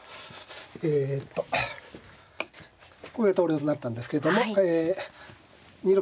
えとこれで投了となったんですけどもえ２六